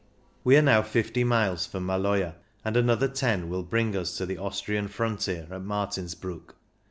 We are now 50 miles from Maloja, and another ten wiH bring us to the Austrian frontier at Martinsbruck.